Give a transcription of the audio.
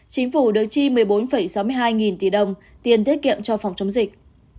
chính phủ được chi một mươi bốn sáu mươi hai nghìn tỷ đồng tiền tiết kiệm cho phòng chống dịch